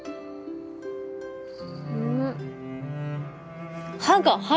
うん！